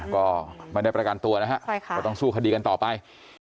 ก็ไม่ได้ประกันตัวนะฮะก็ต้องสู้คดีกันต่อไป